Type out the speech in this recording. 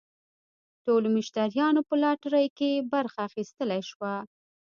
ټولو مشتریانو په لاټرۍ کې برخه اخیستلی شوه.